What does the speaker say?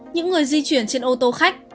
những người di chuyển trên ô tô khách